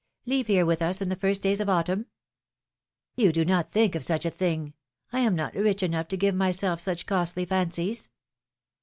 Leave here with us in the first days of autumn ''You do not think of such a thing! I am not rich enough to give myself such costly fancies